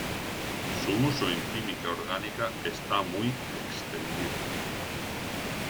Su uso en química orgánica está muy extendido.